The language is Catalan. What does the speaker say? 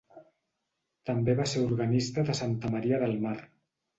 També va ser organista de Santa Maria del Mar.